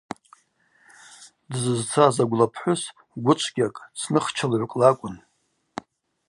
Дзызцаз агвла пхӏвыс гвычвгьакӏ, цныхчылыгӏвкӏ лакӏвын.